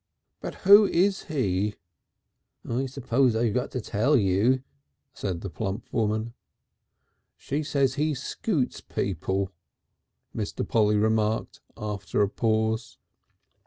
"But who is he?" "I suppose I got to tell you," said the plump woman. "She says he scoots people," Mr. Polly remarked after a pause.